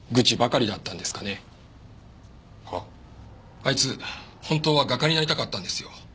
あいつ本当は画家になりたかったんですよ。